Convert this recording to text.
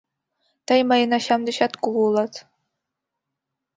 Тый мыйын ачам дечат кугу улат.